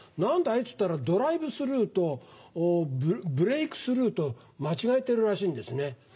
っつったらドライブスルーとブレイクスルーと間違えてるらしいんですね。